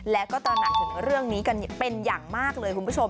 และก็ตระหนักถึงเรื่องนี้กันเป็นอย่างมากเลยคุณผู้ชม